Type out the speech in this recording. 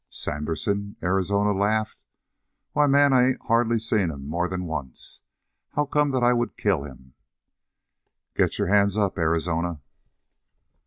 "Sandersen?" Arizona laughed. "Why, man, I ain't hardly seen him more than once. How come that I would kill him?" "Get your hands up, Arizona."